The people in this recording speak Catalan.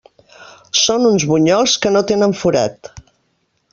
Són uns bunyols que no tenen forat.